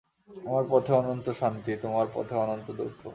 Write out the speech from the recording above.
আমার পথে অনন্ত শান্তি, তোমার পথে অনন্ত দুঃখ।